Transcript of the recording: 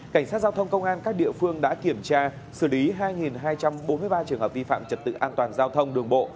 cảnh sát giao thông công an các địa phương đã kiểm tra xử lý hai hai trăm bốn mươi ba trường hợp vi phạm trật tự an toàn giao thông đường bộ